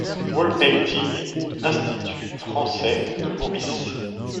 Wall painting - Institut Français de Maurice.